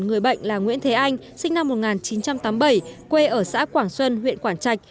người bệnh là nguyễn thế anh sinh năm một nghìn chín trăm tám mươi bảy quê ở xã quảng xuân huyện quảng trạch